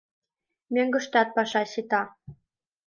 Мӧҥгыштат паша сита.